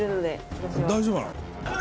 大丈夫なの？